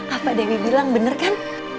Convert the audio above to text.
apa dewi bilang bener kan